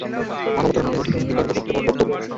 মানবতার নামে এটি তার অধিকার এবং তোমার কর্তব্য।